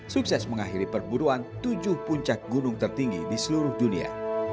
sukses mengakhiri perburuan tujuh puncak gunung tertinggi di seluruh dunia